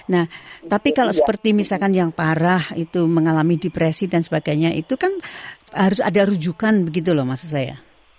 nah tapi kalau seperti misalkan yang parah itu mengalami depresi dan sebagainya itu kan harus ada rujukan begitu loh maksud saya